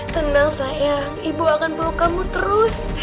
tenang sayang ibu akan peluk kamu terus